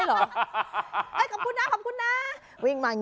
เออใช่เหรอ